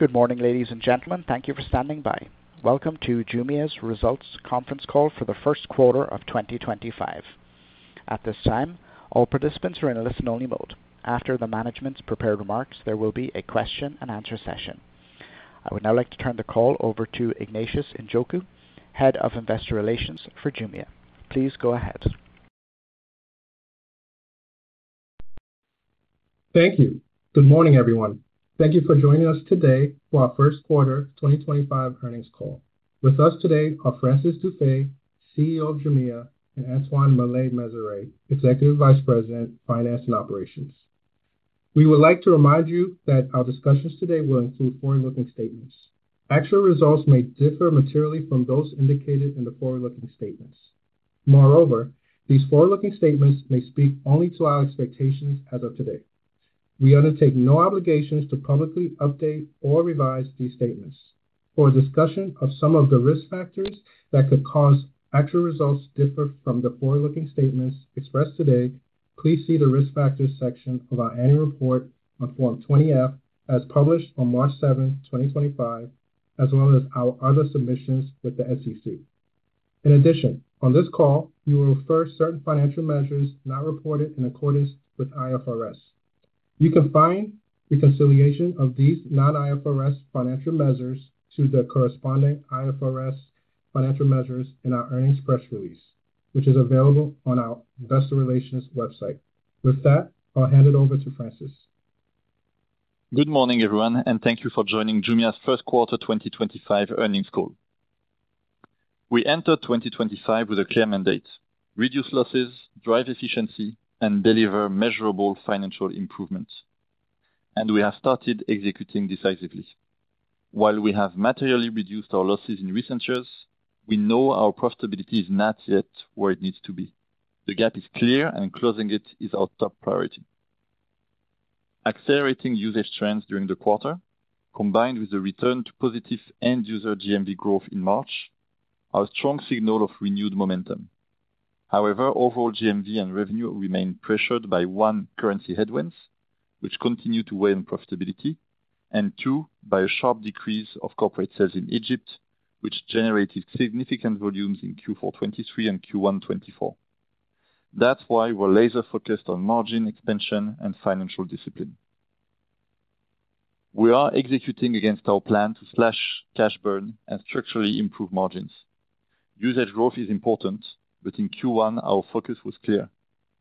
Good morning, ladies and gentlemen. Thank you for standing by. Welcome to Jumia's Results Conference Call for the First Quarter of 2025. At this time, all participants are in a listen-only mode. After the management's prepared remarks, there will be a question-and-answer session. I would now like to turn the call over to Ignatius Njoku, Head of Investor Relations for Jumia. Please go ahead. Thank you. Good morning, everyone. Thank you for joining us today for our first quarter 2025 earnings call. With us today are Francis Dufay, CEO of Jumia, and Antoine Maillet-Mezeray, Executive Vice President, Finance and Operations. We would like to remind you that our discussions today will include forward-looking statements. Actual results may differ materially from those indicated in the forward-looking statements. Moreover, these forward-looking statements may speak only to our expectations as of today. We undertake no obligations to publicly update or revise these statements. For discussion of some of the risk factors that could cause actual results to differ from the forward-looking statements expressed today, please see the risk factors section of our annual report on Form 20-F, as published on March 7, 2025, as well as our other submissions with the SEC. In addition, on this call, we will refer to certain financial measures not reported in accordance with IFRS. You can find reconciliation of these non-IFRS financial measures to the corresponding IFRS financial measures in our earnings press release, which is available on our Investor Relations website. With that, I'll hand it over to Francis. Good morning, everyone, and thank you for joining Jumia's First Quarter 2025 Earnings Call. We entered 2025 with a clear mandate: reduce losses, drive efficiency, and deliver measurable financial improvements. We have started executing decisively. While we have materially reduced our losses in recent years, we know our profitability is not yet where it needs to be. The gap is clear, and closing it is our top priority. Accelerating usage trends during the quarter, combined with the return to positive end-user GMV growth in March, are a strong signal of renewed momentum. However, overall GMV and revenue remain pressured by, one, currency headwinds, which continue to weigh on profitability, and, two, by a sharp decrease of corporate sales in Egypt, which generated significant volumes in Q4 2023 and Q1 2024. That is why we are laser-focused on margin expansion and financial discipline. We are executing against our plan to slash cash burn and structurally improve margins. Usage growth is important, but in Q1, our focus was clear: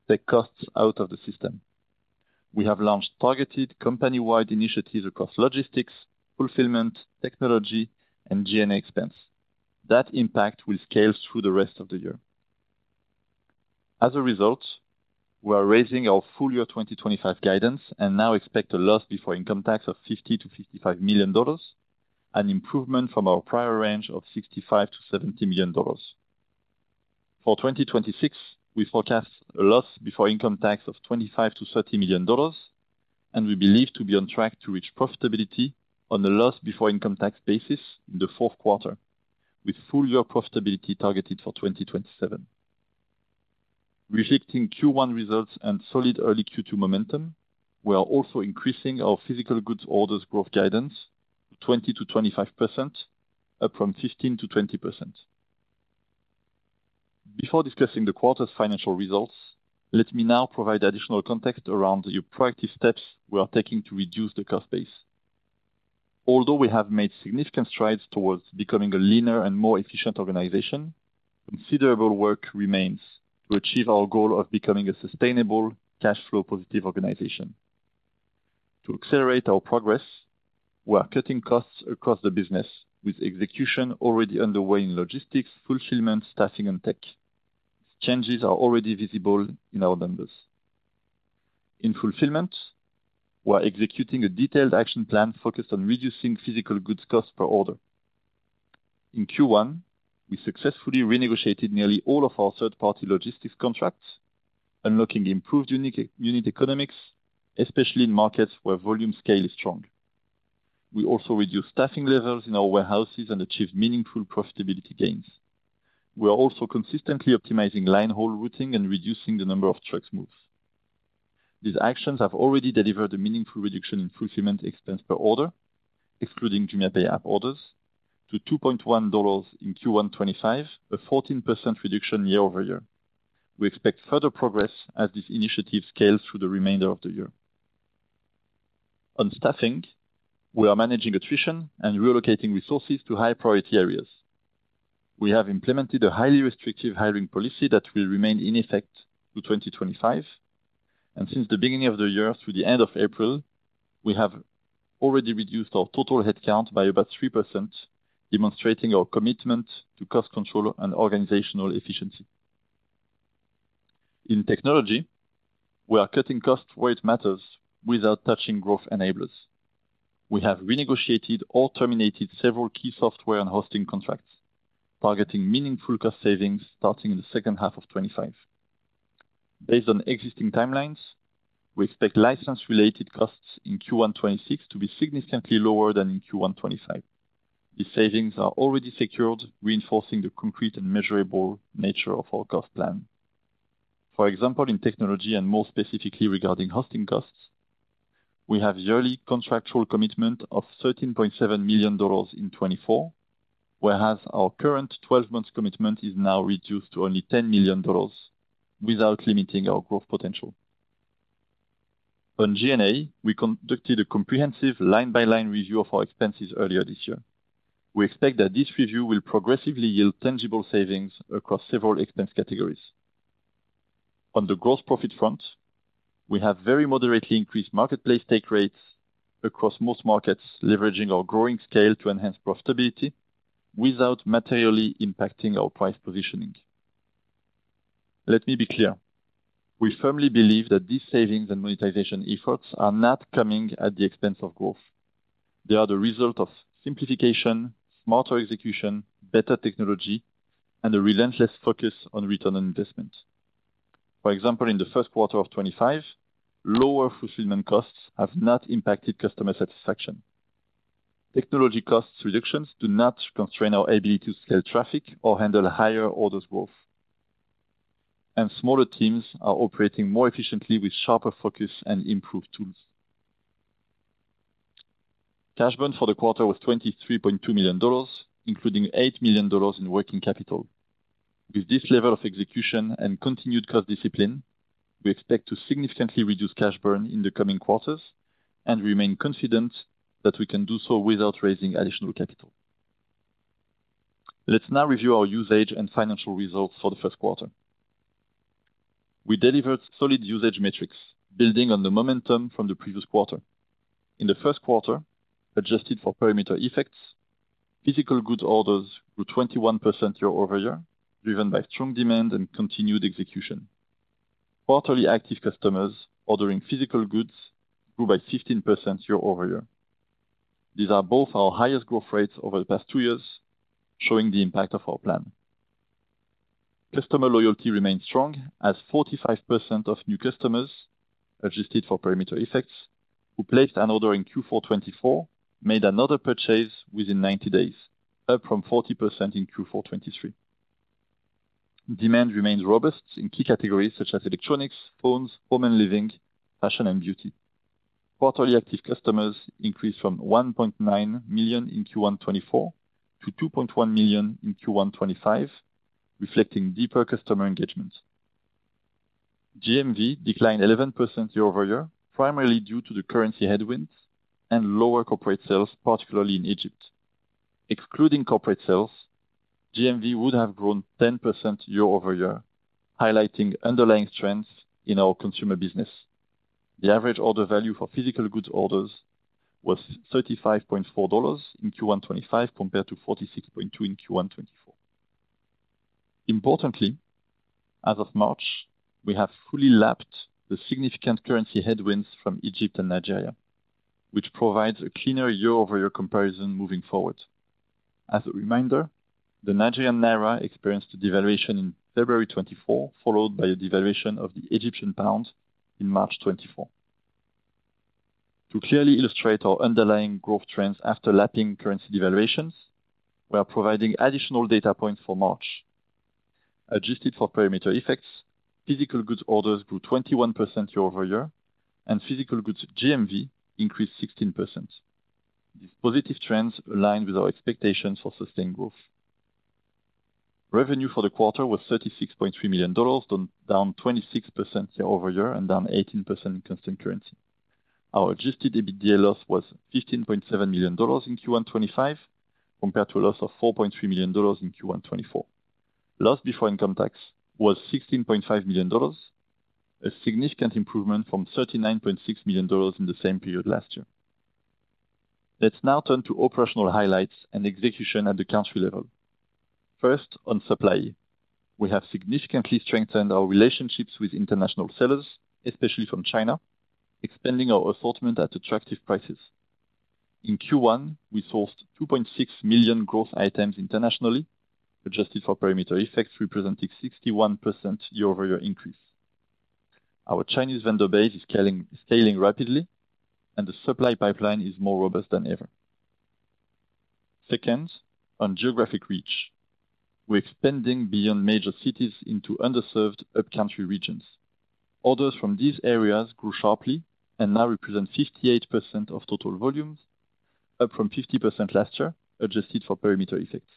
take costs out of the system. We have launched targeted company-wide initiatives across logistics, fulfillment, technology, and G&A expense. That impact will scale through the rest of the year. As a result, we are raising our full-year 2025 guidance and now expect a loss before income tax of $50 million-$55 million, an improvement from our prior range of $65 million-$70 million. For 2026, we forecast a loss before income tax of $25 million-$30 million, and we believe to be on track to reach profitability on a loss before income tax basis in the fourth quarter, with full-year profitability targeted for 2027. Reflecting Q1 results and solid early Q2 momentum, we are also increasing our physical goods orders growth guidance to 20%-25%, up from 15%-20%. Before discussing the quarter's financial results, let me now provide additional context around the proactive steps we are taking to reduce the cost base. Although we have made significant strides towards becoming a leaner and more efficient organization, considerable work remains to achieve our goal of becoming a sustainable, cash-flow-positive organization. To accelerate our progress, we are cutting costs across the business, with execution already underway in logistics, fulfillment, staffing, and tech. Changes are already visible in our numbers. In fulfillment, we are executing a detailed action plan focused on reducing physical goods costs per order. In Q1, we successfully renegotiated nearly all of our third-party logistics contracts, unlocking improved unit economics, especially in markets where volume scale is strong. We also reduced staffing levels in our warehouses and achieved meaningful profitability gains. We are also consistently optimizing linehaul routing and reducing the number of trucks moved. These actions have already delivered a meaningful reduction in fulfillment expense per order, excluding JumiaPay app orders, to $2.1 in Q1 2025, a 14% reduction year-over-year. We expect further progress as this initiative scales through the remainder of the year. On staffing, we are managing attrition and relocating resources to high-priority areas. We have implemented a highly restrictive hiring policy that will remain in effect through 2025, and since the beginning of the year through the end of April, we have already reduced our total headcount by about 3%, demonstrating our commitment to cost control and organizational efficiency. In technology, we are cutting costs where it matters without touching growth enablers. We have renegotiated or terminated several key software and hosting contracts, targeting meaningful cost savings starting in the second half of 2025. Based on existing timelines, we expect license-related costs in Q1 2026 to be significantly lower than in Q1 2025. These savings are already secured, reinforcing the concrete and measurable nature of our cost plan. For example, in technology and more specifically regarding hosting costs, we have yearly contractual commitment of $13.7 million in 2024, whereas our current 12-month commitment is now reduced to only $10 million without limiting our growth potential. On G&A, we conducted a comprehensive line-by-line review of our expenses earlier this year. We expect that this review will progressively yield tangible savings across several expense categories. On the gross profit front, we have very moderately increased marketplace take rates across most markets, leveraging our growing scale to enhance profitability without materially impacting our price positioning. Let me be clear. We firmly believe that these savings and monetization efforts are not coming at the expense of growth. They are the result of simplification, smarter execution, better technology, and a relentless focus on return on investment. For example, in the first quarter of 2025, lower fulfillment costs have not impacted customer satisfaction. Technology cost reductions do not constrain our ability to scale traffic or handle higher orders' worth, and smaller teams are operating more efficiently with sharper focus and improved tools. Cash burn for the quarter was $23.2 million, including $8 million in working capital. With this level of execution and continued cost discipline, we expect to significantly reduce cash burn in the coming quarters and remain confident that we can do so without raising additional capital. Let's now review our usage and financial results for the first quarter. We delivered solid usage metrics, building on the momentum from the previous quarter. In the first quarter, adjusted for perimeter effects, physical goods orders grew 21% year over year, driven by strong demand and continued execution. Quarterly active customers ordering physical goods grew by 15% year over year. These are both our highest growth rates over the past two years, showing the impact of our plan. Customer loyalty remained strong, as 45% of new customers, adjusted for perimeter effects, who placed an order in Q4 2024 made another purchase within 90 days, up from 40% in Q4 2023. Demand remained robust in key categories such as electronics, phones, home and living, fashion, and beauty. Quarterly active customers increased from 1.9 million in Q1 2024 to 2.1 million in Q1 2025, reflecting deeper customer engagement. GMV declined 11% year over year, primarily due to the currency headwinds and lower corporate sales, particularly in Egypt. Excluding corporate sales, GMV would have grown 10% year over year, highlighting underlying trends in our consumer business. The average order value for physical goods orders was $35.4 in Q1 2025 compared to $46.2 in Q1 2024. Importantly, as of March, we have fully lapped the significant currency headwinds from Egypt and Nigeria, which provides a cleaner year-over-year comparison moving forward. As a reminder, the Nigerian naira experienced a devaluation in February 2024, followed by a devaluation of the Egyptian pound in March 2024. To clearly illustrate our underlying growth trends after lapping currency devaluations, we are providing additional data points for March. Adjusted for perimeter effects, physical goods orders grew 21% year over year, and physical goods GMV increased 16%. These positive trends align with our expectations for sustained growth. Revenue for the quarter was $36.3 million, down 26% year over year and down 18% in consumed currency. Our adjusted EBITDA loss was $15.7 million in Q1 2025 compared to a loss of $4.3 million in Q1 2024. Loss before income tax was $16.5 million, a significant improvement from $39.6 million in the same period last year. Let's now turn to operational highlights and execution at the country level. First, on supply, we have significantly strengthened our relationships with international sellers, especially from China, expanding our assortment at attractive prices. In Q1, we sourced 2.6 million gross items internationally, adjusted for perimeter effects, representing a 61% year-over-year increase. Our Chinese vendor base is scaling rapidly, and the supply pipeline is more robust than ever. Second, on geographic reach, we are expanding beyond major cities into underserved upcountry regions. Orders from these areas grew sharply and now represent 58% of total volumes, up from 50% last year, adjusted for perimeter effects.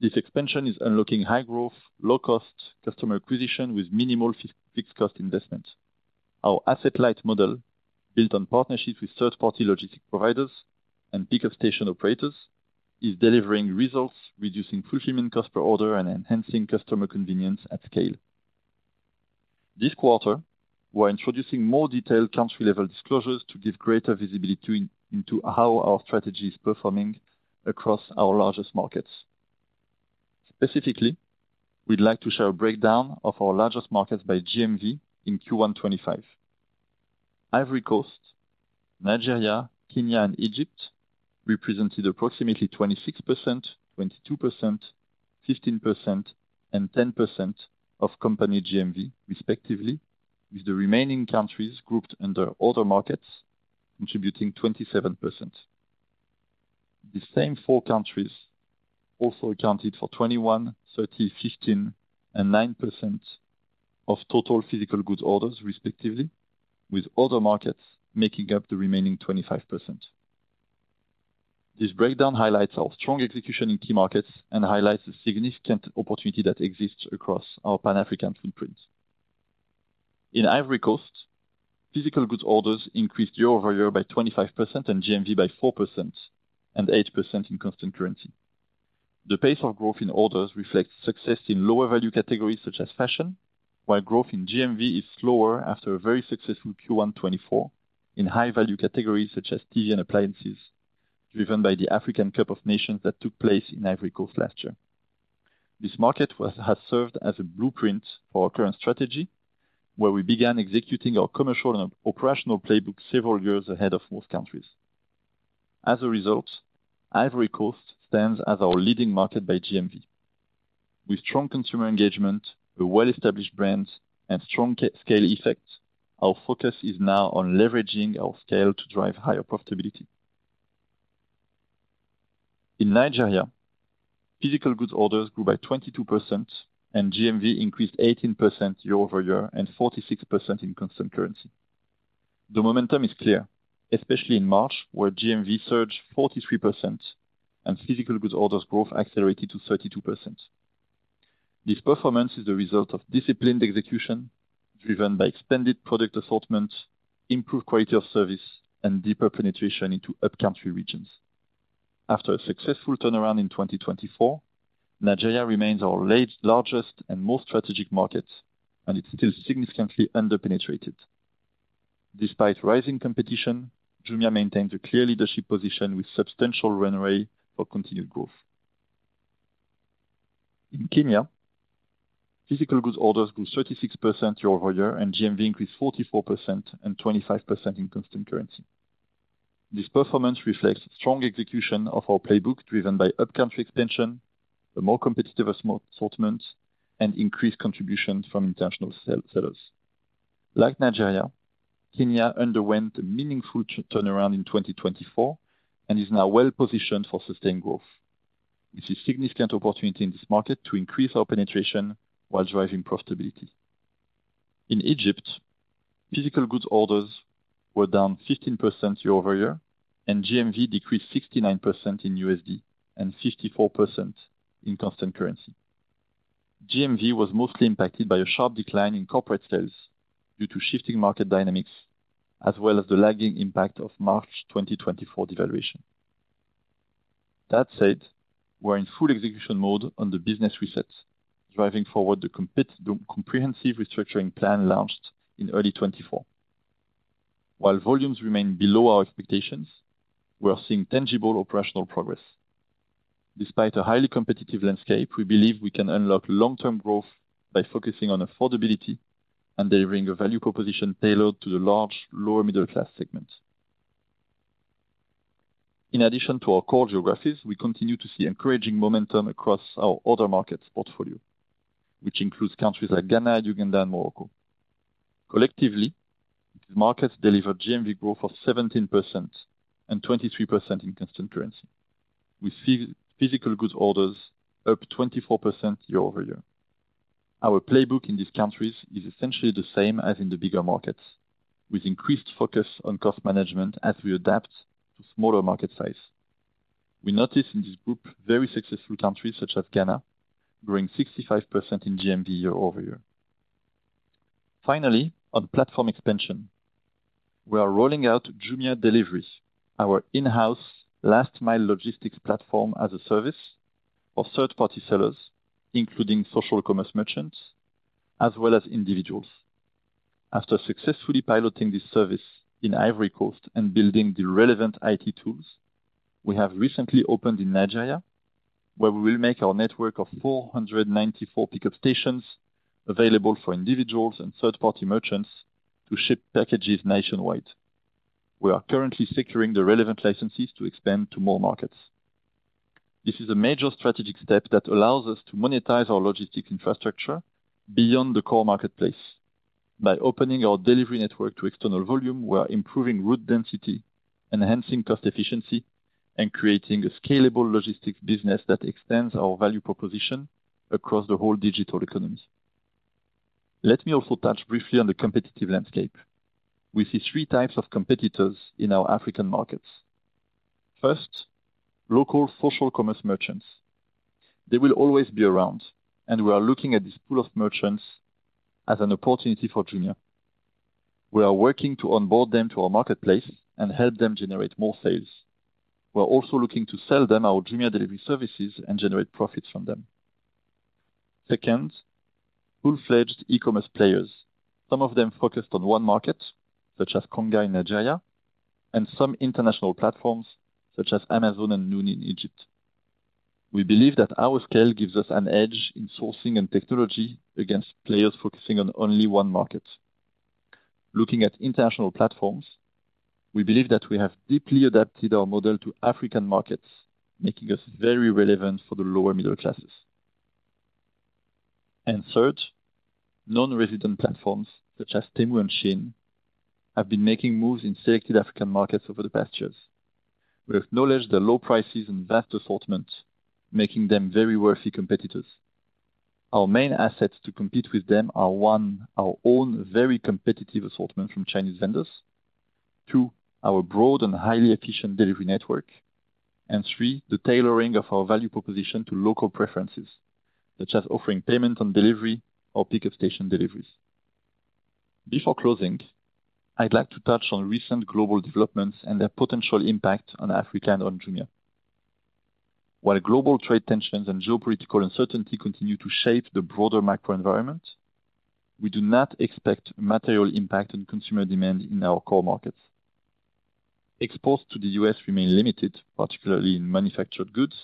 This expansion is unlocking high-growth, low-cost customer acquisition with minimal fixed-cost investment. Our asset-light model, built on partnerships with third-party logistics providers and pickup station operators, is delivering results, reducing fulfillment costs per order and enhancing customer convenience at scale. This quarter, we are introducing more detailed country-level disclosures to give greater visibility into how our strategy is performing across our largest markets. Specifically, we'd like to share a breakdown of our largest markets by GMV in Q1 2025. Ivory Coast, Nigeria, Kenya, and Egypt represented approximately 26%, 22%, 15%, and 10% of company GMV, respectively, with the remaining countries grouped under other markets contributing 27%. The same four countries also accounted for 21%, 30%, 15%, and 9% of total physical goods orders, respectively, with other markets making up the remaining 25%. This breakdown highlights our strong execution in key markets and highlights the significant opportunity that exists across our Pan-African footprint. In Ivory Coast, physical goods orders increased year-over-year by 25% and GMV by 4% and 8% in consumed currency. The pace of growth in orders reflects success in lower-value categories such as fashion, while growth in GMV is slower after a very successful Q1 2024 in high-value categories such as TV and appliances, driven by the African Cup of Nations that took place in Ivory Coast last year. This market has served as a blueprint for our current strategy, where we began executing our commercial and operational playbook several years ahead of most countries. As a result, Ivory Coast stands as our leading market by GMV. With strong consumer engagement, a well-established brand, and strong scale effects, our focus is now on leveraging our scale to drive higher profitability. In Nigeria, physical goods orders grew by 22%, and GMV increased 18% year-over-year and 46% in consumed currency. The momentum is clear, especially in March, where GMV surged 43% and physical goods orders growth accelerated to 32%. This performance is the result of disciplined execution driven by expanded product assortment, improved quality of service, and deeper penetration into upcountry regions. After a successful turnaround in 2024, Nigeria remains our largest and most strategic market, and it's still significantly underpenetrated. Despite rising competition, Jumia maintains a clear leadership position with substantial runway for continued growth. In Kenya, physical goods orders grew 36% year-over-year and GMV increased 44% and 25% in consumed currency. This performance reflects strong execution of our playbook driven by upcountry expansion, a more competitive assortment, and increased contribution from international sellers. Like Nigeria, Kenya underwent a meaningful turnaround in 2024 and is now well-positioned for sustained growth. This is a significant opportunity in this market to increase our penetration while driving profitability. In Egypt, physical goods orders were down 15% year-over-year, and GMV decreased 69% in USD and 54% in constant currency. GMV was mostly impacted by a sharp decline in corporate sales due to shifting market dynamics, as well as the lagging impact of March 2024 devaluation. That said, we are in full execution mode on the business reset, driving forward the comprehensive restructuring plan launched in early 2024. While volumes remain below our expectations, we are seeing tangible operational progress. Despite a highly competitive landscape, we believe we can unlock long-term growth by focusing on affordability and delivering a value proposition tailored to the large lower-middle-class segment. In addition to our core geographies, we continue to see encouraging momentum across our other markets' portfolio, which includes countries like Ghana, Uganda, and Morocco. Collectively, these markets delivered GMV growth of 17% and 23% in consumed currency, with physical goods orders up 24% year-over-year. Our playbook in these countries is essentially the same as in the bigger markets, with increased focus on cost management as we adapt to smaller market size. We notice in this group very successful countries such as Ghana, growing 65% in GMV year-over-year. Finally, on platform expansion, we are rolling out Jumia Deliveries, our in-house last-mile logistics platform as a service for third-party sellers, including social commerce merchants, as well as individuals. After successfully piloting this service in Ivory Coast and building the relevant IT tools, we have recently opened in Nigeria, where we will make our network of 494 pickup stations available for individuals and third-party merchants to ship packages nationwide. We are currently securing the relevant licenses to expand to more markets. This is a major strategic step that allows us to monetize our logistics infrastructure beyond the core marketplace. By opening our delivery network to external volume, we are improving route density, enhancing cost efficiency, and creating a scalable logistics business that extends our value proposition across the whole digital economy. Let me also touch briefly on the competitive landscape. We see three types of competitors in our African markets. First, local social commerce merchants. They will always be around, and we are looking at this pool of merchants as an opportunity for Jumia. We are working to onboard them to our marketplace and help them generate more sales. We are also looking to sell them our Jumia Deliveries services and generate profits from them. Second, full-fledged e-commerce players, some of them focused on one market, such as Conga in Nigeria, and some international platforms, such as Amazon and Noon in Egypt. We believe that our scale gives us an edge in sourcing and technology against players focusing on only one market. Looking at international platforms, we believe that we have deeply adapted our model to African markets, making us very relevant for the lower-middle classes. Third, non-resident platforms such as Temu and Shein have been making moves in selected African markets over the past years. We acknowledge the low prices and vast assortment, making them very worthy competitors. Our main assets to compete with them are: one, our own very competitive assortment from Chinese vendors; two, our broad and highly efficient delivery network; and three, the tailoring of our value proposition to local preferences, such as offering payment on delivery or pickup station deliveries. Before closing, I'd like to touch on recent global developments and their potential impact on Africa and on Jumia. While global trade tensions and geopolitical uncertainty continue to shape the broader macro environment, we do not expect a material impact on consumer demand in our core markets. Exports to the U.S. remain limited, particularly in manufactured goods,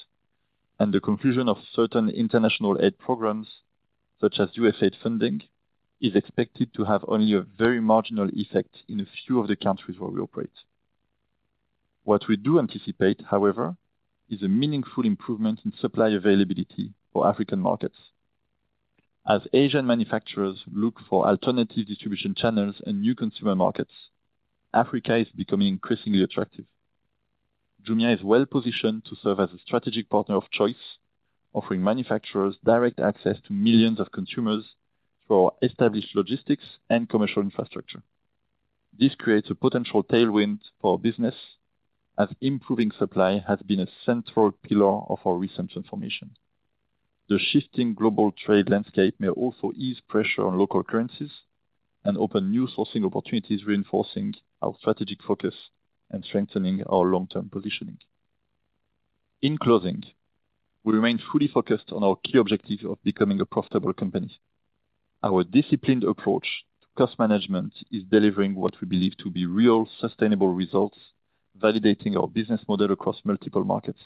and the conclusion of certain international aid programs, such as USAID funding, is expected to have only a very marginal effect in a few of the countries where we operate. What we do anticipate, however, is a meaningful improvement in supply availability for African markets. As Asian manufacturers look for alternative distribution channels and new consumer markets, Africa is becoming increasingly attractive. Jumia is well-positioned to serve as a strategic partner of choice, offering manufacturers direct access to millions of consumers through our established logistics and commercial infrastructure. This creates a potential tailwind for our business, as improving supply has been a central pillar of our recent transformation. The shifting global trade landscape may also ease pressure on local currencies and open new sourcing opportunities, reinforcing our strategic focus and strengthening our long-term positioning. In closing, we remain fully focused on our key objective of becoming a profitable company. Our disciplined approach to cost management is delivering what we believe to be real, sustainable results, validating our business model across multiple markets.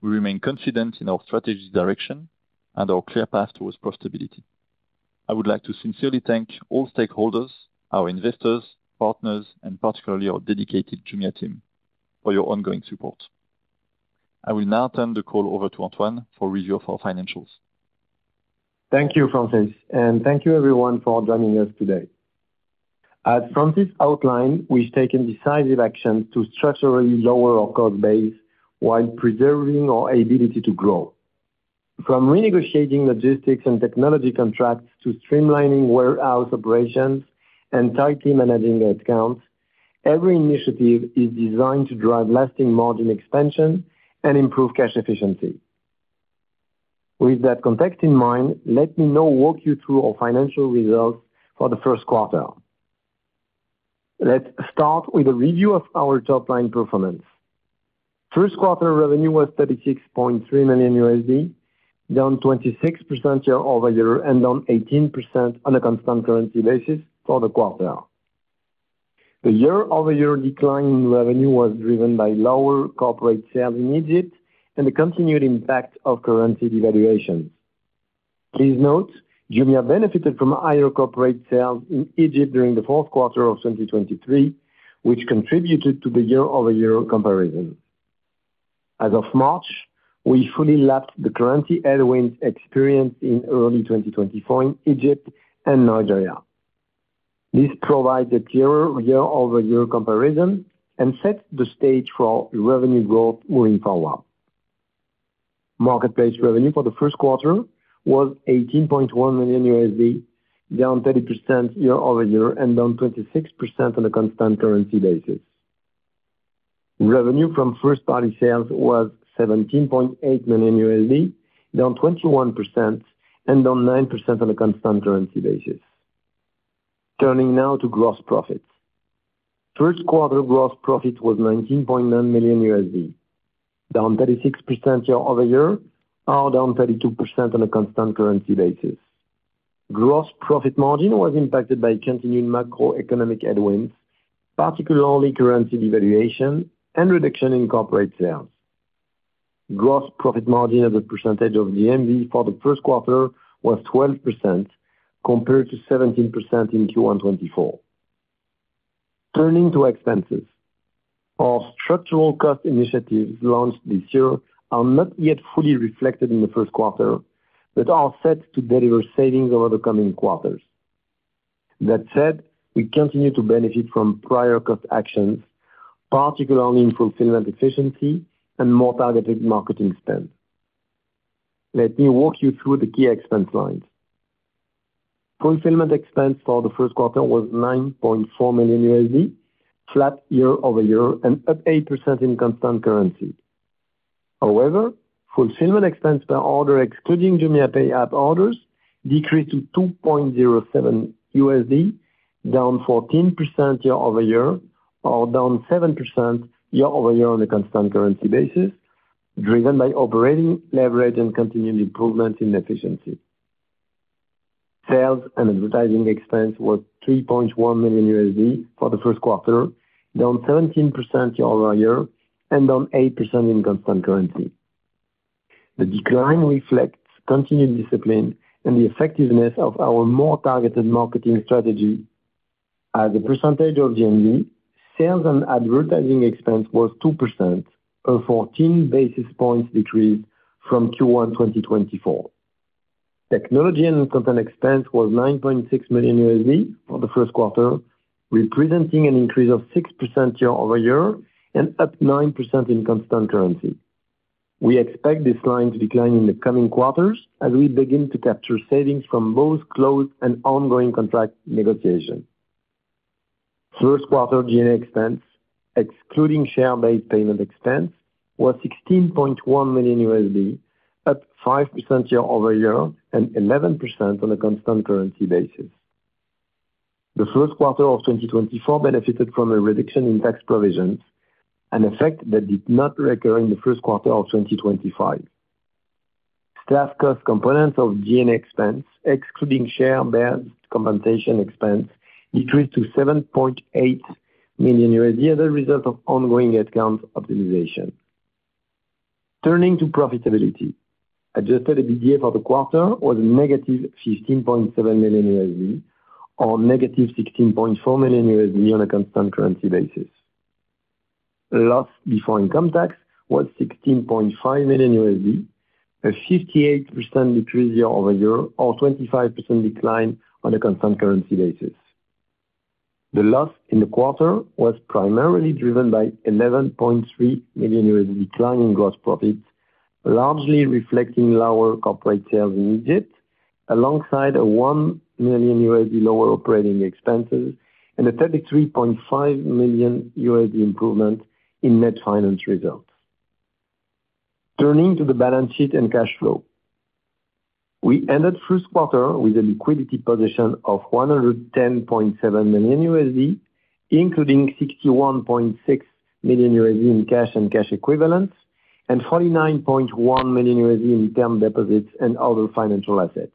We remain confident in our strategy's direction and our clear path towards profitability. I would like to sincerely thank all stakeholders, our investors, partners, and particularly our dedicated Jumia team for your ongoing support. I will now turn the call over to Antoine for a review of our financials. Thank you, Francis, and thank you, everyone, for joining us today. As Francis outlined, we've taken decisive actions to structurally lower our cost base while preserving our ability to grow. From renegotiating logistics and technology contracts to streamlining warehouse operations and tightly managing headcounts, every initiative is designed to drive lasting margin expansion and improve cash efficiency. With that context in mind, let me now walk you through our financial results for the first quarter. Let's start with a review of our top-line performance. First quarter revenue was $36.3 million, down 26% year-over-year and down 18% on a consumed currency basis for the quarter. The year-over-year decline in revenue was driven by lower corporate sales in Egypt and the continued impact of currency devaluations. Please note, Jumia benefited from higher corporate sales in Egypt during the fourth quarter of 2023, which contributed to the year-over-year comparison. As of March, we fully lapped the currency headwinds experienced in early 2024 in Egypt and Nigeria. This provides a clearer year-over-year comparison and sets the stage for revenue growth moving forward. Marketplace revenue for the first quarter was $18.1 million, down 30% year-over-year and down 26% on a consumed currency basis. Revenue from first-party sales was $17.8 million, down 21% and down 9% on a consumed currency basis. Turning now to gross profits. First quarter gross profit was $19.9 million, down 36% year-over-year, now down 32% on a consumed currency basis. Gross profit margin was impacted by continued macroeconomic headwinds, particularly currency devaluation and reduction in corporate sales. Gross profit margin as a percentage of GMV for the first quarter was 12%, compared to 17% in Q1 2024. Turning to expenses, our structural cost initiatives launched this year are not yet fully reflected in the first quarter, but are set to deliver savings over the coming quarters. That said, we continue to benefit from prior cost actions, particularly in fulfillment efficiency and more targeted marketing spend. Let me walk you through the key expense lines. Fulfillment expense for the first quarter was $9.4 million, flat year-over-year and up 8% in consumed currency. However, fulfillment expense per order, excluding JumiaPay app orders, decreased to $2.07, down 14% year-over-year, or down 7% year-over-year on a constant currency basis, driven by operating leverage and continued improvement in efficiency. Sales and advertising expense was $3.1 million for the first quarter, down 17% year-over-year and down 8% in consumed currency. The decline reflects continued discipline and the effectiveness of our more targeted marketing strategy. As a percentage of GMV, sales and advertising expense was 2%, a 14 basis points decrease from Q1 2024. Technology and consumed expense was $9.6 million for the first quarter, representing an increase of 6% year-over-year and up 9% in consumed currency. We expect this line to decline in the coming quarters as we begin to capture savings from both closed and ongoing contract negotiations. First quarter GMV expense, excluding share-based payment expense, was $16.1 million, up 5% year-over-year and 11% on a consumed currency basis. The first quarter of 2024 benefited from a reduction in tax provisions, an effect that did not recur in the first quarter of 2025. Staff cost components of GMV expense, excluding share-based compensation expense, decreased to $7.8 million as a result of ongoing headcount optimization. Turning to profitability, adjusted EBITDA for the quarter was negative $15.7 million, or negative $16.4 million on a consumed currency basis. Loss before income tax was $16.5 million, a 58% decrease year-over-year, or 25% decline on a consumed currency basis. The loss in the quarter was primarily driven by $11.3 million decline in gross profits, largely reflecting lower corporate sales in Egypt, alongside a $1 million lower operating expenses and a $33.5 million improvement in net finance results. Turning to the balance sheet and cash flow, we ended first quarter with a liquidity position of $110.7 million, including $61.6 million in cash and cash equivalents, and $49.1 million in term deposits and other financial assets.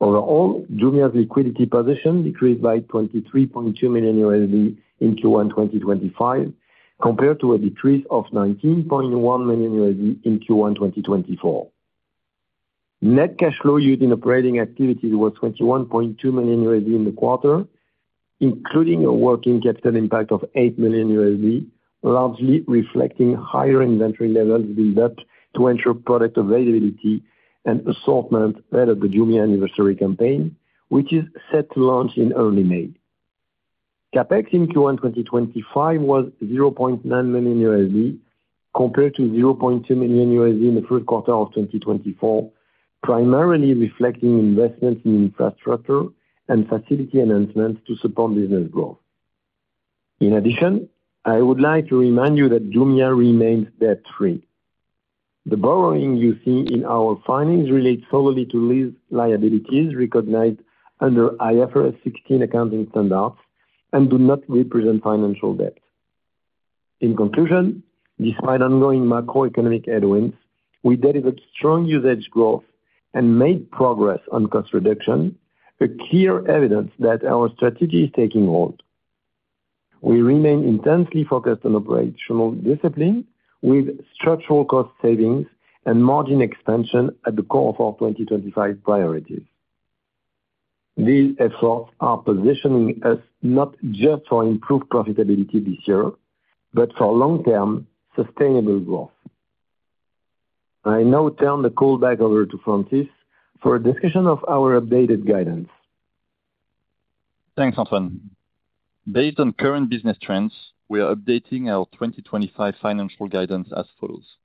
Overall, Jumia's liquidity position decreased by $23.2 million in Q1 2025, compared to a decrease of $19.1 million in Q1 2024. Net cash flow used in operating activities was $21.2 million in the quarter, including a working capital impact of $8 million, largely reflecting higher inventory levels built up to ensure product availability and assortment ahead of the Jumia Anniversary Campaign, which is set to launch in early May. CapEx in Q1 2025 was $0.9 million, compared to $0.2 million in the first quarter of 2024, primarily reflecting investments in infrastructure and facility enhancements to support business growth. In addition, I would like to remind you that Jumia remains debt-free. The borrowing you see in our findings relates solely to lease liabilities recognized under IFRS 16 accounting standards and do not represent financial debt. In conclusion, despite ongoing macroeconomic headwinds, we delivered strong usage growth and made progress on cost reduction, a clear evidence that our strategy is taking hold. We remain intensely focused on operational discipline, with structural cost savings and margin expansion at the core of our 2025 priorities. These efforts are positioning us not just for improved profitability this year, but for long-term sustainable growth. I now turn the call back over to Francis for a discussion of our updated guidance. Thanks, Antoine. Based on current business trends, we are updating our 2025 financial guidance as follows.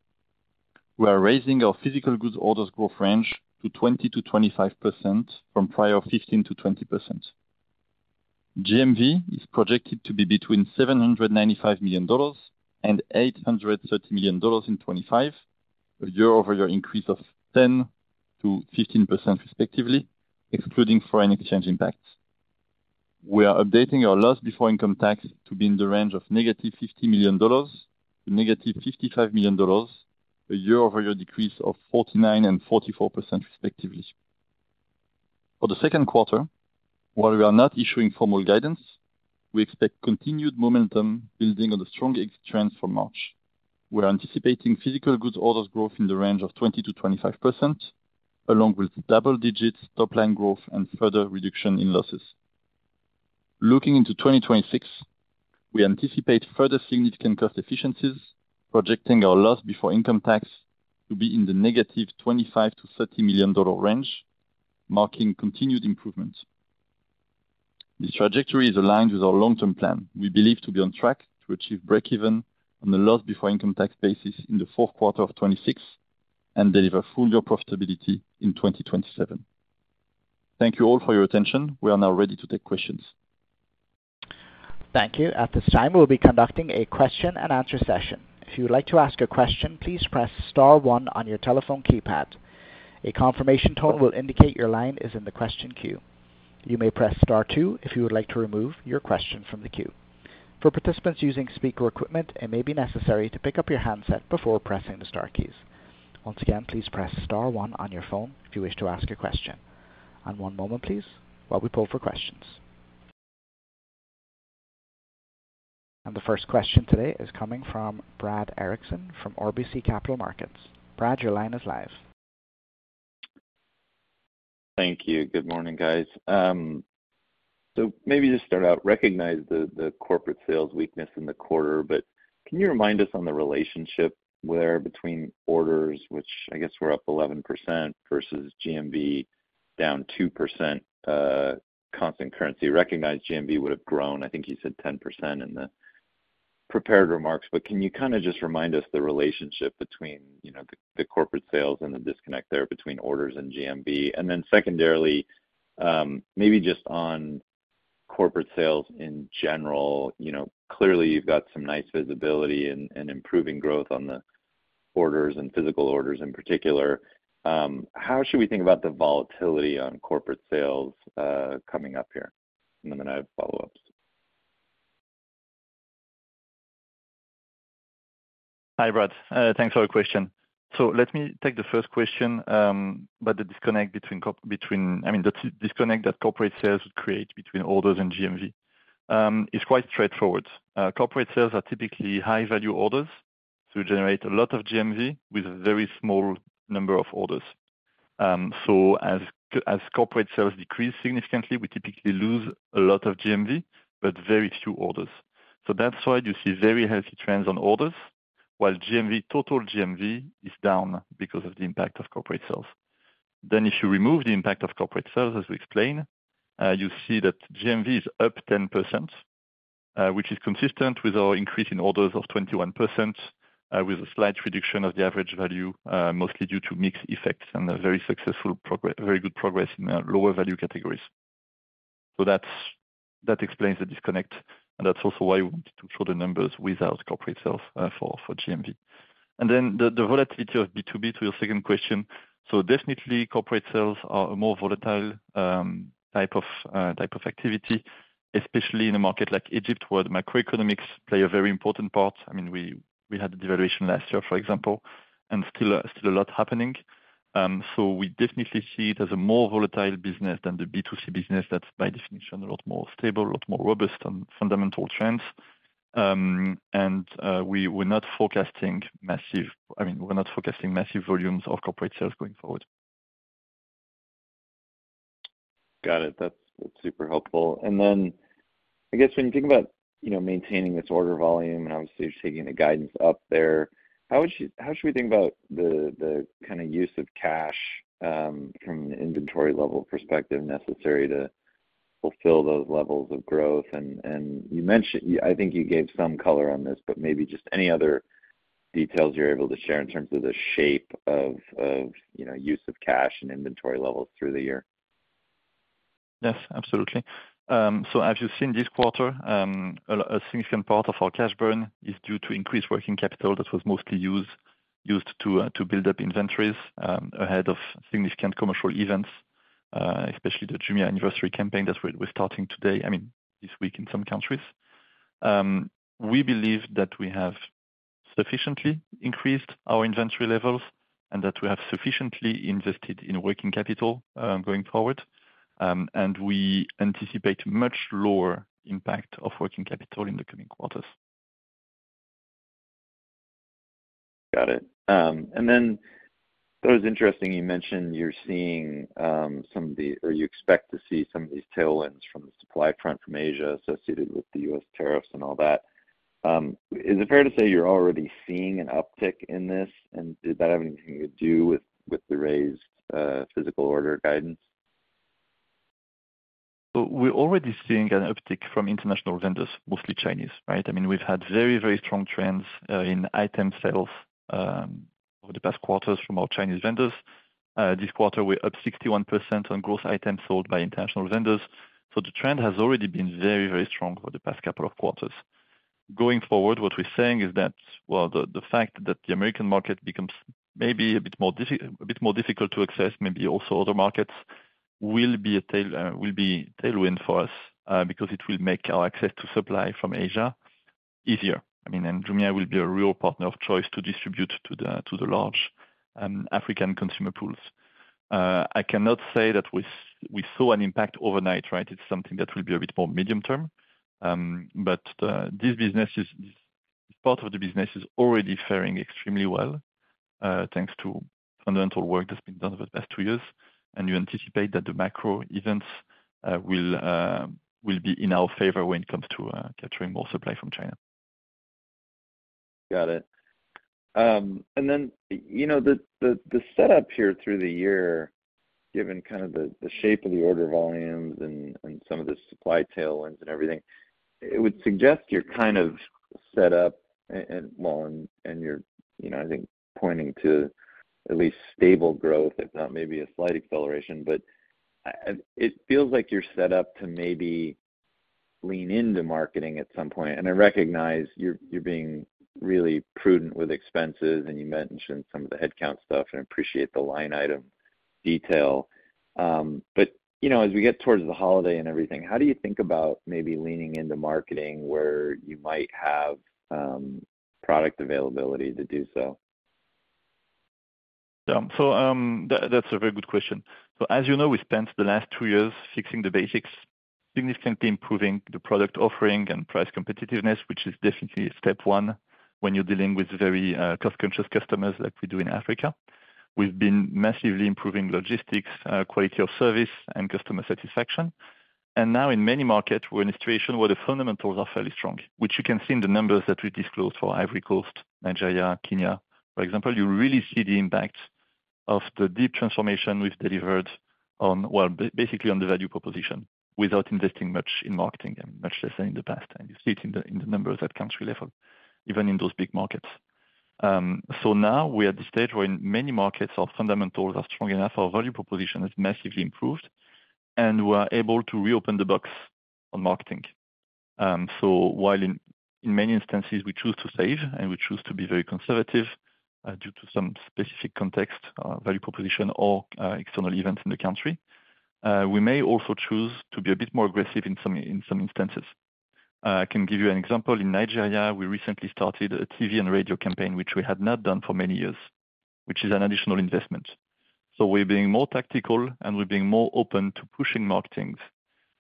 We are raising our physical goods orders growth range to 20%-25% from prior 15%-20%. GMV is projected to be between $795 million and $830 million in 2025, a year-over-year increase of 10%-15% respectively, excluding foreign exchange impacts. We are updating our loss before income tax to be in the range of negative $50 million-negative $55 million, a year-over-year decrease of 49% and 44% respectively. For the second quarter, while we are not issuing formal guidance, we expect continued momentum building on the strong exchange trends from March. We are anticipating physical goods orders growth in the range of 20%-25%, along with double-digit top-line growth and further reduction in losses. Looking into 2026, we anticipate further significant cost efficiencies, projecting our loss before income tax to be in the negative $25 million-$30 million range, marking continued improvement. This trajectory is aligned with our long-term plan. We believe to be on track to achieve break-even on the loss before income tax basis in the fourth quarter of 2026 and deliver full-year profitability in 2027. Thank you all for your attention. We are now ready to take questions. Thank you. At this time, we'll be conducting a question-and-answer session. If you would like to ask a question, please press star one on your telephone keypad. A confirmation tone will indicate your line is in the question queue. You may press star two if you would like to remove your question from the queue. For participants using speaker equipment, it may be necessary to pick up your handset before pressing the star keys. Once again, please press star one on your phone if you wish to ask a question. One moment, please, while we pull for questions. The first question today is coming from Brad Erickson from RBC Capital Markets. Brad, your line is live. Thank you. Good morning, guys. Maybe to start out, recognize the corporate sales weakness in the quarter, but can you remind us on the relationship where between orders, which I guess were up 11% versus GMV down 2% consumed currency? Recognize GMV would have grown, I think you said 10% in the prepared remarks, but can you kind of just remind us the relationship between the corporate sales and the disconnect there between orders and GMV? Secondarily, maybe just on corporate sales in general, clearly you've got some nice visibility and improving growth on the orders and physical orders in particular. How should we think about the volatility on corporate sales coming up here? I have follow-ups. Hi, Brad. Thanks for the question. Let me take the first question about the disconnect between, I mean, the disconnect that corporate sales would create between orders and GMV. It's quite straightforward. Corporate sales are typically high-value orders, so we generate a lot of GMV with a very small number of orders. As corporate sales decrease significantly, we typically lose a lot of GMV, but very few orders. That is why you see very healthy trends on orders, while total GMV is down because of the impact of corporate sales. If you remove the impact of corporate sales, as we explained, you see that GMV is up 10%, which is consistent with our increase in orders of 21%, with a slight reduction of the average value, mostly due to mixed effects and a very successful, very good progress in lower-value categories. That explains the disconnect. That is also why we wanted to show the numbers without corporate sales for GMV. The volatility of B2B to your second question. Corporate sales are a more volatile type of activity, especially in a market like Egypt, where the macroeconomics play a very important part. I mean, we had the devaluation last year, for example, and still a lot happening. We definitely see it as a more volatile business than the B2C business that is by definition a lot more stable, a lot more robust on fundamental trends. We are not forecasting massive, I mean, we are not forecasting massive volumes of corporate sales going forward. Got it. That is super helpful. I guess when you think about maintaining this order volume and obviously taking the guidance up there, how should we think about the kind of use of cash from an inventory level perspective necessary to fulfill those levels of growth? I think you gave some color on this, but maybe just any other details you're able to share in terms of the shape of use of cash and inventory levels through the year. Yes, absolutely. As you've seen this quarter, a significant part of our cash burn is due to increased working capital that was mostly used to build up inventories ahead of significant commercial events, especially the Jumia anniversary campaign that we're starting today, I mean, this week in some countries. We believe that we have sufficiently increased our inventory levels and that we have sufficiently invested in working capital going forward, and we anticipate a much lower impact of working capital in the coming quarters. Got it. It was interesting you mentioned you're seeing some of the, or you expect to see some of these tailwinds from the supply front from Asia associated with the U.S. tariffs and all that. Is it fair to say you're already seeing an uptick in this? Did that have anything to do with the raised physical order guidance? We're already seeing an uptick from international vendors, mostly Chinese, right? I mean, we've had very, very strong trends in item sales over the past quarters from our Chinese vendors. This quarter, we're up 61% on gross items sold by international vendors. The trend has already been very, very strong for the past couple of quarters. Going forward, what we're saying is that the fact that the American market becomes maybe a bit more difficult to access, maybe also other markets, will be a tailwind for us because it will make our access to supply from Asia easier. I mean, and Jumia will be a real partner of choice to distribute to the large African consumer pools. I cannot say that we saw an impact overnight, right? It's something that will be a bit more medium term. This business, this part of the business is already faring extremely well, thanks to fundamental work that's been done over the past two years. You anticipate that the macro events will be in our favor when it comes to capturing more supply from China. Got it. The setup here through the year, given kind of the shape of the order volumes and some of the supply tailwinds and everything, it would suggest you're kind of set up, and, well, you're, I think, pointing to at least stable growth, if not maybe a slight acceleration. It feels like you're set up to maybe lean into marketing at some point. I recognize you're being really prudent with expenses, and you mentioned some of the headcount stuff, and I appreciate the line item detail. As we get towards the holiday and everything, how do you think about maybe leaning into marketing where you might have product availability to do so? That is a very good question. As you know, we spent the last two years fixing the basics, significantly improving the product offering and price competitiveness, which is definitely step one when you're dealing with very cost-conscious customers like we do in Africa. We've been massively improving logistics, quality of service, and customer satisfaction. Now in many markets, we're in a situation where the fundamentals are fairly strong, which you can see in the numbers that we disclosed for Ivory Coast, Nigeria, Kenya, for example. You really see the impact of the deep transformation we've delivered on, basically on the value proposition without investing much in marketing, much less than in the past. You see it in the numbers at country level, even in those big markets. Now we're at the stage where in many markets, our fundamentals are strong enough, our value proposition has massively improved, and we're able to reopen the box on marketing. While in many instances, we choose to save and we choose to be very conservative due to some specific context, value proposition, or external events in the country, we may also choose to be a bit more aggressive in some instances. I can give you an example. In Nigeria, we recently started a TV and radio campaign, which we had not done for many years, which is an additional investment. We're being more tactical, and we're being more open to pushing marketings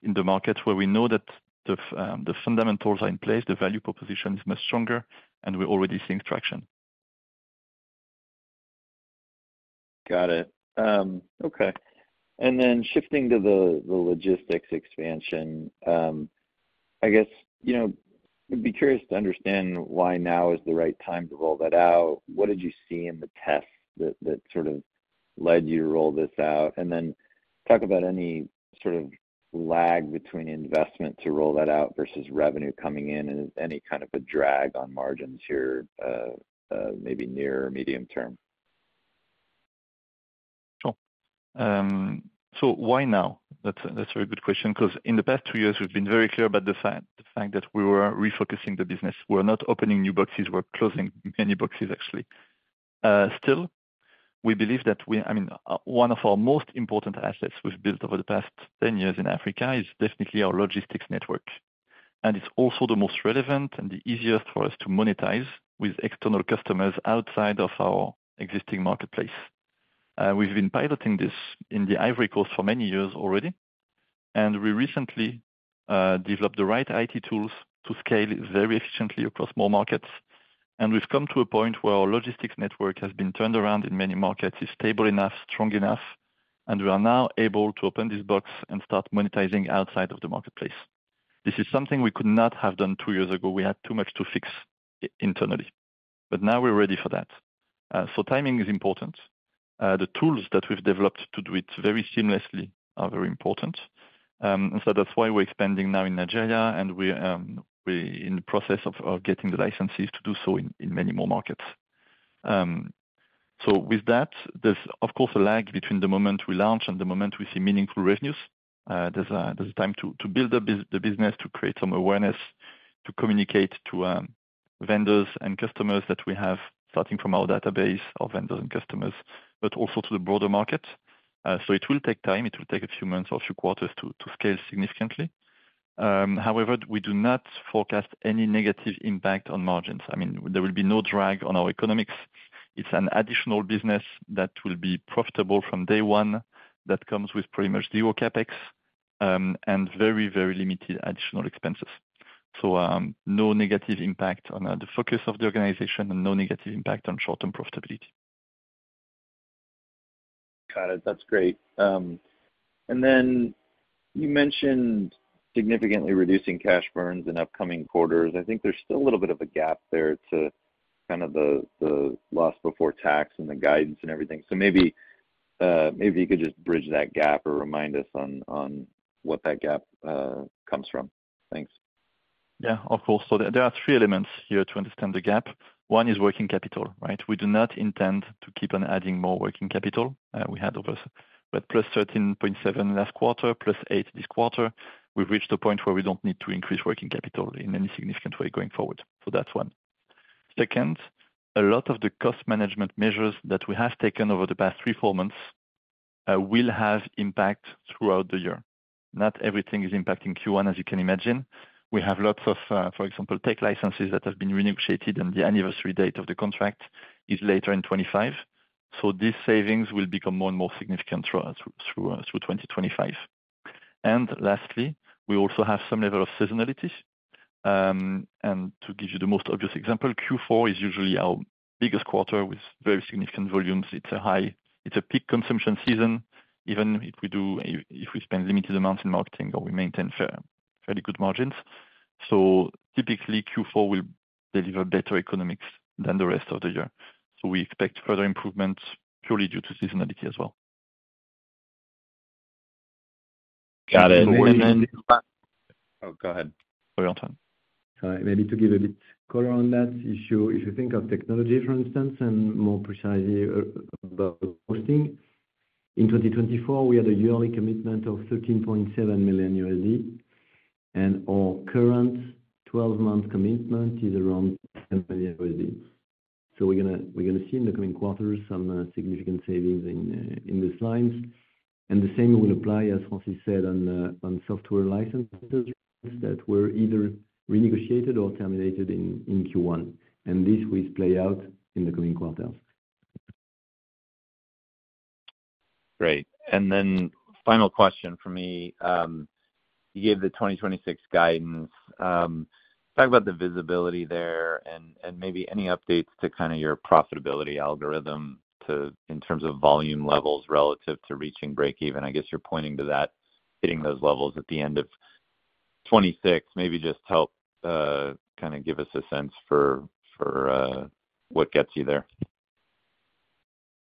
in the markets where we know that the fundamentals are in place, the value proposition is much stronger, and we're already seeing traction. Got it. Okay. Then shifting to the logistics expansion, I guess I'd be curious to understand why now is the right time to roll that out. What did you see in the tests that sort of led you to roll this out? Then talk about any sort of lag between investment to roll that out versus revenue coming in and any kind of a drag on margins here maybe near or medium term. Sure. Why now? That's a very good question. Because in the past two years, we've been very clear about the fact that we were refocusing the business. We're not opening new boxes. We're closing many boxes, actually. Still, we believe that, I mean, one of our most important assets we've built over the past 10 years in Africa is definitely our logistics network. It is also the most relevant and the easiest for us to monetize with external customers outside of our existing marketplace. We have been piloting this in the Ivory Coast for many years already. We recently developed the right IT tools to scale very efficiently across more markets. We have come to a point where our logistics network has been turned around in many markets, is stable enough, strong enough, and we are now able to open this box and start monetizing outside of the marketplace. This is something we could not have done two years ago. We had too much to fix internally. Now we are ready for that. Timing is important. The tools that we have developed to do it very seamlessly are very important. That is why we are expanding now in Nigeria, and we are in the process of getting the licenses to do so in many more markets. With that, there is, of course, a lag between the moment we launch and the moment we see meaningful revenues. There is a time to build up the business, to create some awareness, to communicate to vendors and customers that we have starting from our database of vendors and customers, but also to the broader market. It will take time. It will take a few months or a few quarters to scale significantly. However, we do not forecast any negative impact on margins. I mean, there will be no drag on our economics. It is an additional business that will be profitable from day one that comes with pretty much zero CapEx and very, very limited additional expenses. No negative impact on the focus of the organization and no negative impact on short-term profitability. Got it. That's great. You mentioned significantly reducing cash burns in upcoming quarters. I think there's still a little bit of a gap there to kind of the loss before tax and the guidance and everything. Maybe you could just bridge that gap or remind us on what that gap comes from. Thanks. Yeah, of course. There are three elements here to understand the gap. One is working capital, right? We do not intend to keep on adding more working capital. We had over, but plus $13.7 million last quarter, plus $8 million this quarter. We've reached a point where we don't need to increase working capital in any significant way going forward. That's one. Second, a lot of the cost management measures that we have taken over the past three, four months will have impact throughout the year. Not everything is impacting Q1, as you can imagine. We have lots of, for example, tech licenses that have been renegotiated, and the anniversary date of the contract is later in 2025. So these savings will become more and more significant through 2025. Lastly, we also have some level of seasonalities. To give you the most obvious example, Q4 is usually our biggest quarter with very significant volumes. It is a peak consumption season, even if we spend limited amounts in marketing or we maintain fairly good margins. Typically, Q4 will deliver better economics than the rest of the year. We expect further improvements purely due to seasonality as well. Got it. Oh, go ahead. Sorry, Antoine. Maybe to give a bit of color on that, if you think of technology, for instance, and more precisely about hosting, in 2024, we had a yearly commitment of $13.7 million, and our current 12-month commitment is around $10 million. We are going to see in the coming quarters some significant savings in these lines. The same will apply, as Francis said, on software licenses that were either renegotiated or terminated in Q1. This will play out in the coming quarters. Great. Final question for me. You gave the 2026 guidance. Talk about the visibility there and maybe any updates to kind of your profitability algorithm in terms of volume levels relative to reaching break-even. I guess you are pointing to that, hitting those levels at the end of 2026. Maybe just help kind of give us a sense for what gets you there.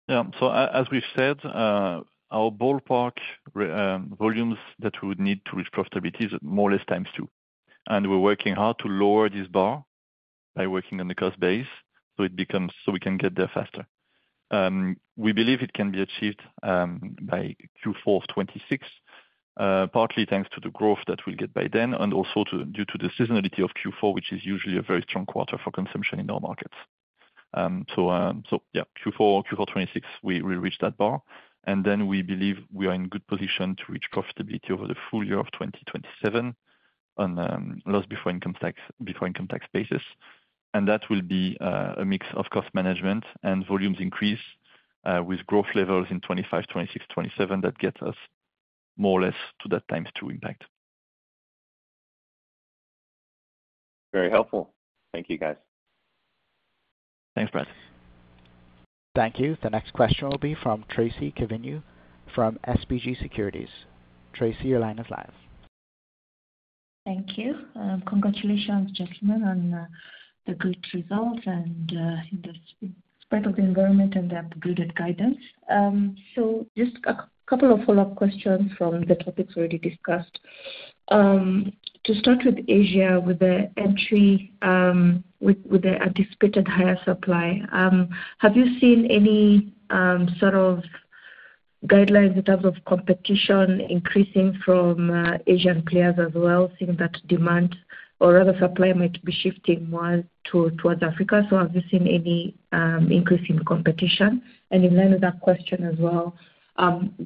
Yeah. As we've said, our ballpark volumes that we would need to reach profitability is more or less times two. We're working hard to lower this bar by working on the cost base so we can get there faster. We believe it can be achieved by Q4 of 2026, partly thanks to the growth that we'll get by then and also due to the seasonality of Q4, which is usually a very strong quarter for consumption in our markets. Yeah, Q4 or Q4 2026, we'll reach that bar. We believe we are in good position to reach profitability over the full year of 2027 on loss before income tax basis. That will be a mix of cost management and volumes increase with growth levels in 2025, 2026, 2027 that get us more or less to that times two impact. Very helpful. Thank you, guys. Thanks, Brad. Thank you. The next question will be from Tracy Kivunyu from SBG Securities. Tracy, your line is live. Thank you. Congratulations, gentlemen, on the good results and in spite of the environment and the upgraded guidance. Just a couple of follow-up questions from the topics already discussed. To start with Asia, with the entry with the anticipated higher supply, have you seen any sort of guidelines in terms of competition increasing from Asian players as well, seeing that demand or other supply might be shifting more towards Africa? Have you seen any increase in competition? In line with that question as well,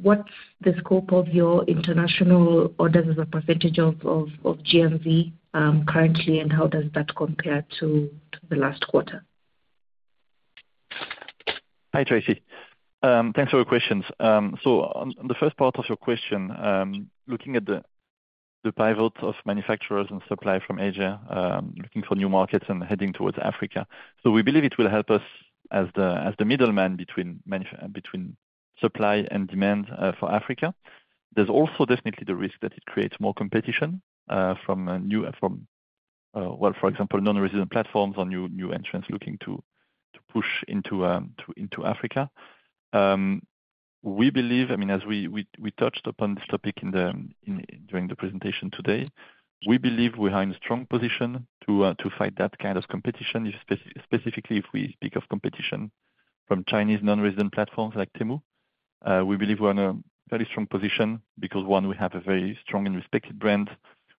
what's the scope of your international orders as a percentage of GMV currently, and how does that compare to the last quarter? Hi, Tracy. Thanks for your questions. On the first part of your question, looking at the pivot of manufacturers and supply from Asia, looking for new markets and heading towards Africa. We believe it will help us as the middleman between supply and demand for Africa. There is also definitely the risk that it creates more competition from, for example, non-resident platforms or new entrants looking to push into Africa. We believe, I mean, as we touched upon this topic during the presentation today, we are in a strong position to fight that kind of competition, specifically if we speak of competition from Chinese non-resident platforms like Temu. We believe we are in a fairly strong position because, one, we have a very strong and respected brand.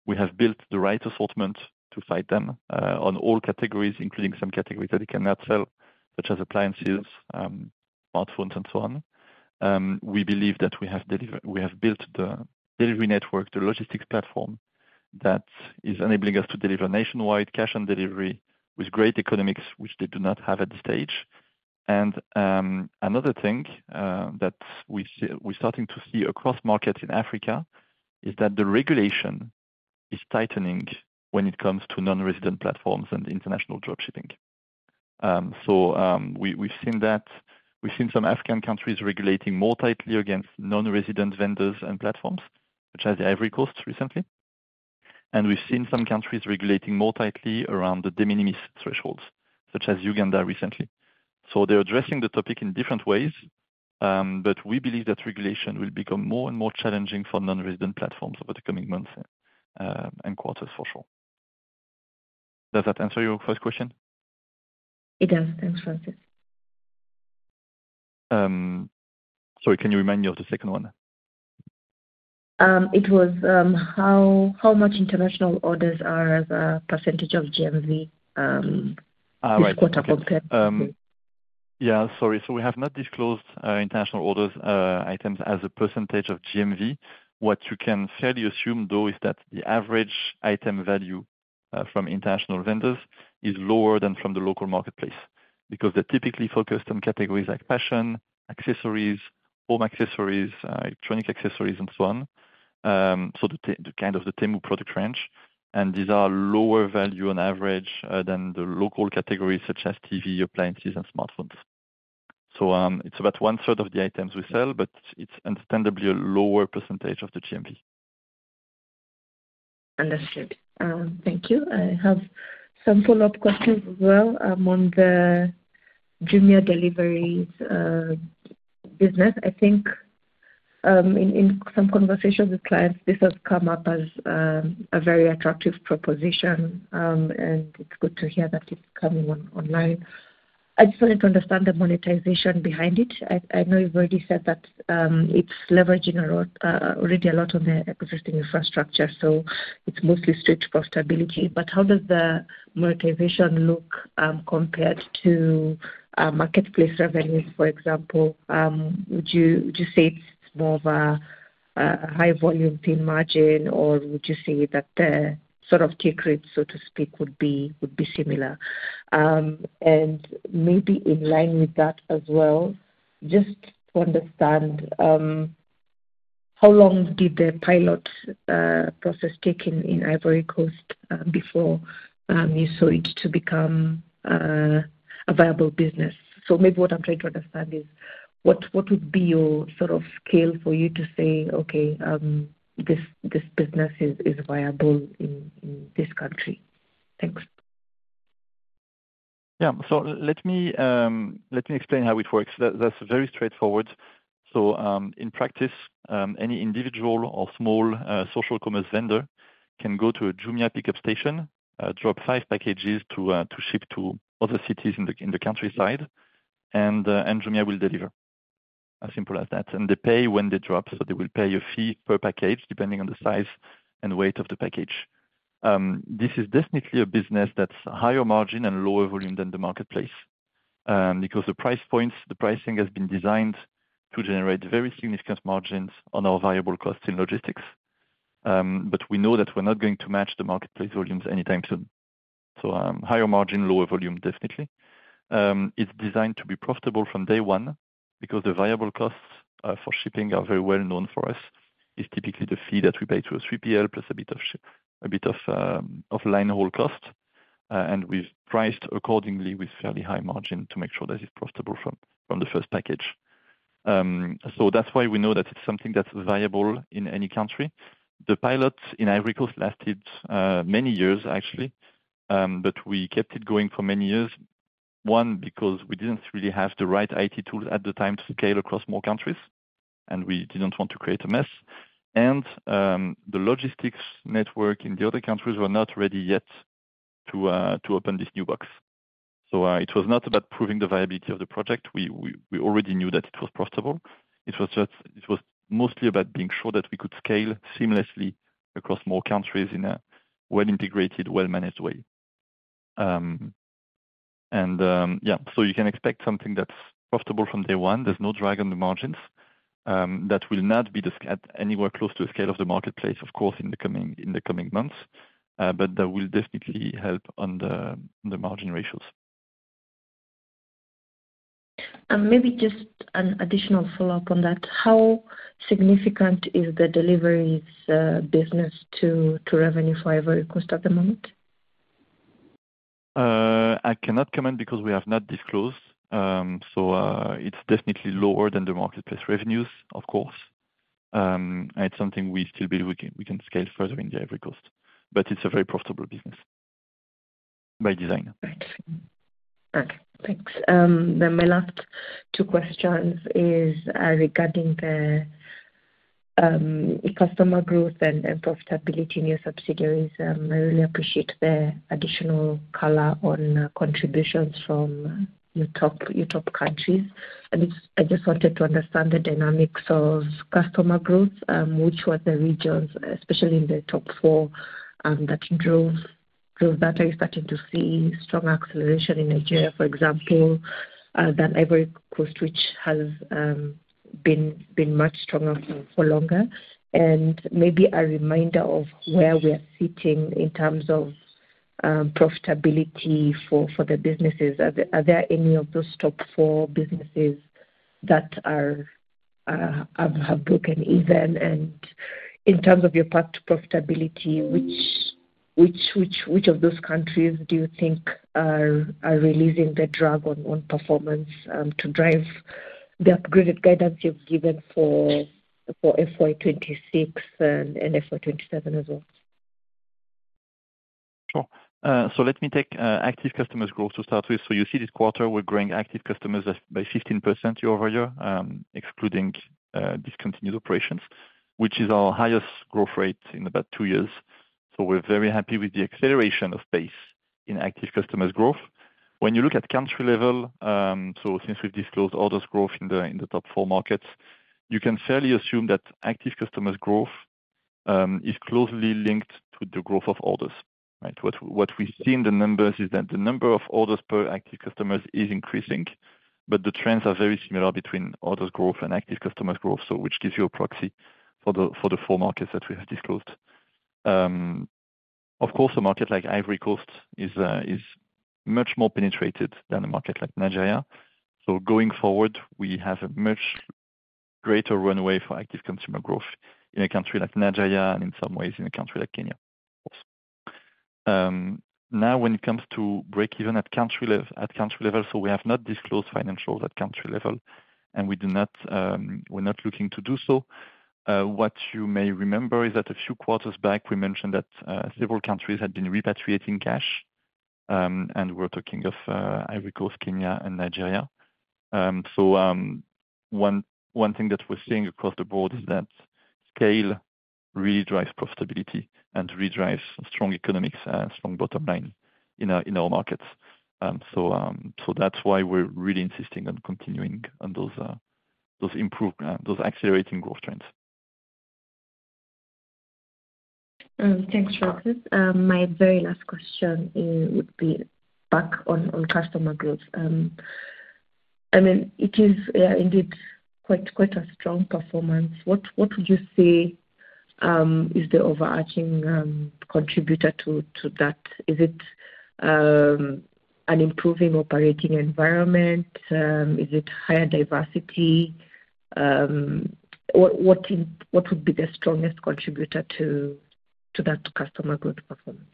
We have built the right assortment to fight them on all categories, including some categories that they cannot sell, such as appliances, smartphones, and so on. We believe that we have built the delivery network, the logistics platform that is enabling us to deliver nationwide cash on delivery with great economics, which they do not have at this stage. Another thing that we're starting to see across markets in Africa is that the regulation is tightening when it comes to non-resident platforms and international dropshipping. We have seen some African countries regulating more tightly against non-resident vendors and platforms, such as the Ivory Coast recently. We have also seen some countries regulating more tightly around the de minimis thresholds, such as Uganda recently. They are addressing the topic in different ways, but we believe that regulation will become more and more challenging for non-resident platforms over the coming months and quarters, for sure. Does that answer your first question? It does. Thanks, Francis. Sorry, can you remind me of the second one? It was how much international orders are as a percentage of GMV this quarter compared to? Yeah, sorry. We have not disclosed international orders items as a percentage of GMV. What you can fairly assume, though, is that the average item value from international vendors is lower than from the local marketplace because they're typically focused on categories like fashion, accessories, home accessories, electronic accessories, and so on. The kind of the Temu product range. These are lower value on average than the local categories such as TV, appliances, and smartphones. It's about one-third of the items we sell, but it's understandably a lower percentage of the GMV. Understood. Thank you. I have some follow-up questions as well on the Jumia Deliveries business. I think in some conversations with clients, this has come up as a very attractive proposition, and it's good to hear that it's coming online. I just wanted to understand the monetization behind it. I know you've already said that it's leveraging already a lot on the existing infrastructure, so it's mostly straight to profitability. How does the monetization look compared to marketplace revenues, for example? Would you say it's more of a high-volume, thin margin, or would you say that the sort of take rate, so to speak, would be similar? Maybe in line with that as well, just to understand, how long did the pilot process take in Ivory Coast before you saw it to become a viable business? Maybe what I'm trying to understand is what would be your sort of scale for you to say, "Okay, this business is viable in this country"?Thanks. Yeah. Let me explain how it works. That's very straightforward. In practice, any individual or small social commerce vendor can go to a Jumia pickup station, drop five packages to ship to other cities in the countryside, and Jumia will deliver. As simple as that. They pay when they drop. They will pay a fee per package depending on the size and weight of the package. This is definitely a business that's higher margin and lower volume than the marketplace because the price points, the pricing has been designed to generate very significant margins on our variable costs in logistics. We know that we're not going to match the marketplace volumes anytime soon. Higher margin, lower volume, definitely. It's designed to be profitable from day one because the variable costs for shipping are very well known for us. It's typically the fee that we pay to a 3PL plus a bit of line-hold cost. We've priced accordingly with fairly high margin to make sure that it's profitable from the first package. That's why we know that it's something that's viable in any country. The pilot in Ivory Coast lasted many years, actually, but we kept it going for many years, one, because we didn't really have the right IT tools at the time to scale across more countries, and we didn't want to create a mess. The logistics network in the other countries were not ready yet to open this new box. It was not about proving the viability of the project. We already knew that it was profitable. It was mostly about being sure that we could scale seamlessly across more countries in a well-integrated, well-managed way. Yeah, you can expect something that's profitable from day one. There's no drag on the margins. That will not be anywhere close to the scale of the marketplace, of course, in the coming months, but that will definitely help on the margin ratios. Maybe just an additional follow-up on that. How significant is the deliveries business to revenue for Ivory Coast at the moment? I cannot comment because we have not disclosed. So it's definitely lower than the marketplace revenues, of course. It's something we still believe we can scale further in the Ivory Coast. But it's a very profitable business by design. Okay. Thanks. My last two questions are regarding the customer growth and profitability in your subsidiaries. I really appreciate the additional color on contributions from your top countries. I just wanted to understand the dynamics of customer growth, which were the regions, especially in the top four, that drove that. Are you starting to see strong acceleration in Nigeria, for example, than Ivory Coast, which has been much stronger for longer? Maybe a reminder of where we are sitting in terms of profitability for the businesses. Are there any of those top four businesses that have broken even? In terms of your path to profitability, which of those countries do you think are releasing the drag on performance to drive the upgraded guidance you've given for FY 2026 and FY 2027 as well? Sure. Let me take active customers growth to start with. You see this quarter, we're growing active customers by 15% year over year, excluding discontinued operations, which is our highest growth rate in about two years. We're very happy with the acceleration of pace in active customers growth. When you look at country level, since we've disclosed orders growth in the top four markets, you can fairly assume that active customers growth is closely linked to the growth of orders. Right? What we see in the numbers is that the number of orders per active customers is increasing, but the trends are very similar between orders growth and active customers growth, which gives you a proxy for the four markets that we have disclosed. Of course, a market like Ivory Coast is much more penetrated than a market like Nigeria. Going forward, we have a much greater runway for active consumer growth in a country like Nigeria and in some ways in a country like Kenya. Now, when it comes to break-even at country level, we have not disclosed financials at country level, and we're not looking to do so. What you may remember is that a few quarters back, we mentioned that several countries had been repatriating cash, and we're talking of Ivory Coast, Kenya, and Nigeria. One thing that we're seeing across the board is that scale really drives profitability and really drives strong economics and strong bottom line in our markets. That's why we're really insisting on continuing on those accelerating growth trends. Thanks, Francis. My very last question would be back on customer growth. I mean, it is indeed quite a strong performance. What would you say is the overarching contributor to that? Is it an improving operating environment? Is it higher diversity? What would be the strongest contributor to that customer growth performance?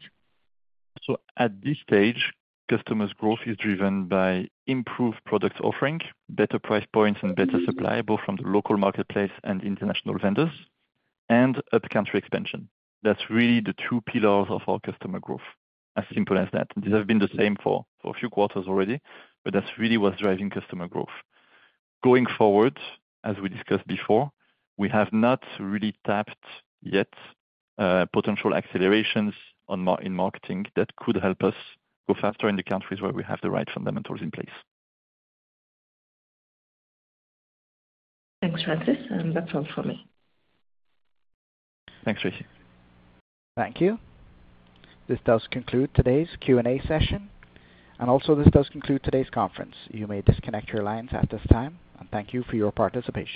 At this stage, customers' growth is driven by improved product offering, better price points, and better supply, both from the local marketplace and international vendors, and up-country expansion. That is really the two pillars of our customer growth, as simple as that. These have been the same for a few quarters already, but that is really what is driving customer growth. Going forward, as we discussed before, we have not really tapped yet potential accelerations in marketing that could help us go faster in the countries where we have the right fundamentals in place. Thanks, Francis. That is all for me. Thanks, Tracy. Thank you. This does conclude today's Q&A session. This does conclude today's conference. You may disconnect your lines at this time. Thank you for your participation.